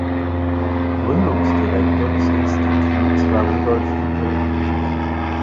Gründungsdirektor des Instituts war Rudolf Hickel.